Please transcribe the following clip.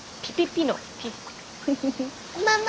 ママ